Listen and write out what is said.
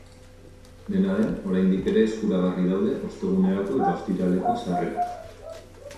Dena den, oraindik ere eskuragarri daude ostegunerako eta ostiraleko sarrerak.